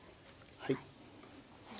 はい。